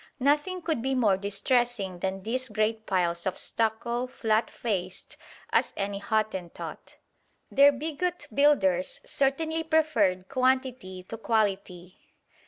Nothing could be more distressing than these great piles of stucco, flat faced as any Hottentot. Their bigot builders certainly preferred quantity to quality.